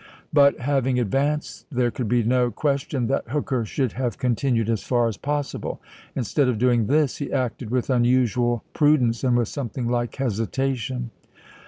But having advanced there could be no question that Hooker should have continued as far as possible. Instead of doing this, he acted with unusual pru dence and with something like hesitation.